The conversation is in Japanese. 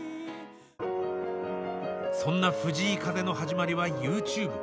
そんな藤井風の始まりはＹｏｕＴｕｂｅ。